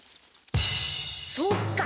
そっか！